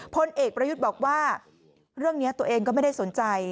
พลเอกประยุทธ์บอกว่าเรื่องนี้ตัวเองก็ไม่ได้สนใจ